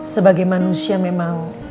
sebagai manusia memang